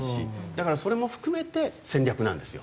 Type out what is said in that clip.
だからそれも含めて戦略なんですよ。